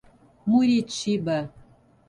Muritiba